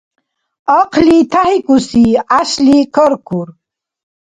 Ахъли тӀяхӀикӀуси, гӀяшли каркур.